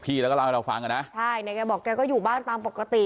พี่แล้วก็เล่าให้เราฟังก่อนนะใช่นายก็บอกแกก็อยู่บ้านตามปกติ